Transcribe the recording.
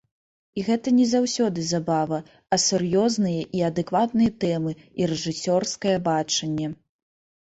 І гэта не заўсёды забава, а сур'ёзныя і адэкватныя тэмы і рэжысёрскае бачанне.